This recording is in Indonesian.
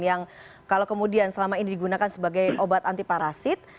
yang kalau kemudian selama ini digunakan sebagai obat antiparasit